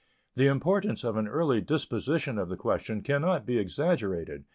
The importance of an early disposition of the question can not be exaggerated.